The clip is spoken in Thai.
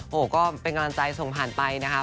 ก็เป็นกำลังใจส่งผ่านไปนะคะ